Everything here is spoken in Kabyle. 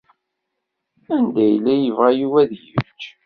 Anda i yella yebɣa Yuba ad yečč?